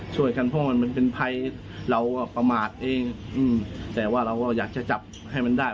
ช่วยกันเพราะว่ามันเป็นภัยเราก็ประมาทเองอืมแต่ว่าเราก็อยากจะจับให้มันได้